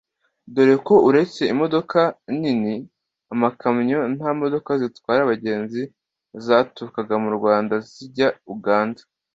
dore ko uretse imodoka nini(amakamyo) nta modoka zitwara abagenzi zaturukaga mu Rwanda zijya Uganda